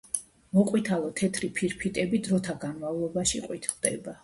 მოყვითალო თეთრი ფირფიტები დროთა განმავლობაში ყვითლდება.